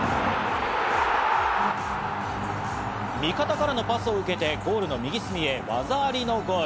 味方からのパスを受けてゴールの右隅へ技ありのゴール。